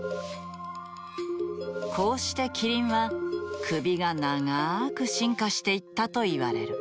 こうしてキリンは首が長く進化していったといわれる。